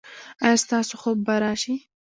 ایا ستاسو خوب به راشي؟